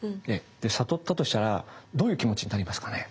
悟ったとしたらどういう気持ちになりますかね？